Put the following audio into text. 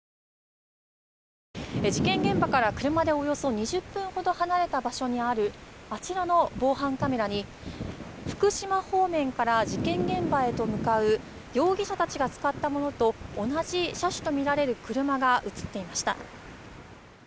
事件現場から車でおよそ２０分ほど離れた場所にあるあちらの防犯カメラに福島方面から事件現場へと向かう容疑者たちが使ったものと同じ車種とみられる車が映っていました。